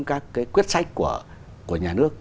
các cái quyết sách của nhà nước